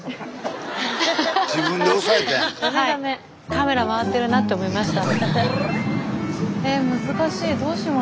カメラ回ってるなって思いました。